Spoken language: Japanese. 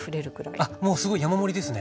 あっもうすごい山盛りですね。